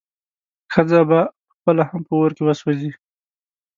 ښځه به پخپله هم په اور کې وسوځي.